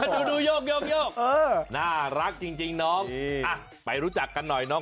ดูดูโยกโยกโยกเออน่ารักจริงจริงน้องอ่ะไปรู้จักกันหน่อยน้อง